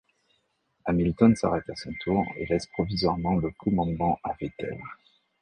Hamilton s'arrête à son tour et laisse provisoirement le commandement à Vettel.